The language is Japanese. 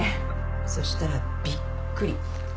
そしたらびっくり。